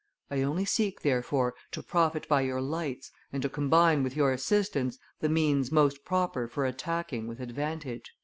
I only seek, therefore, to profit by your lights, and to combine with your assistance the means most proper for attacking with advantage."